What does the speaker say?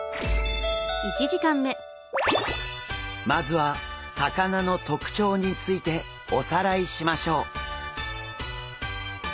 まずは魚の特徴についておさらいしましょう！